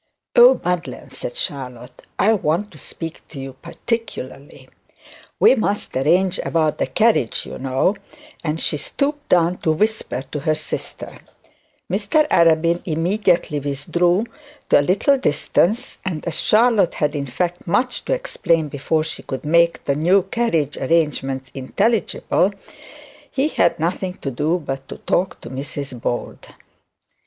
'Oh, Madeline,' said Charlotte, 'I want to speak to you particularly; we must arrange about the carriage, you know,' and she stooped down to whisper to her sister. Mr Arabin immediately withdrew to a little distance, and as Charlotte had in fact much to explain before she could make the new arrangement intelligible, he had nothing to do but to talk to Mrs Bold.